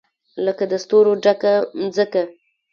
لکه د ستورو ډکه مځکه